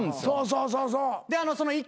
そうそうそうそう。